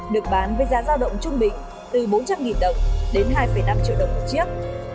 được bán với giá giao động trung bình từ bốn trăm linh đồng đến hai năm triệu đồng một chiếc